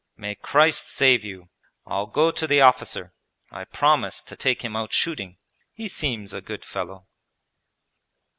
'May Christ save you! I'll go to the officer; I promised to take him out shooting. He seems a good fellow.'